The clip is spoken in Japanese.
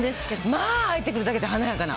まあ入ってくるだけで華やかな。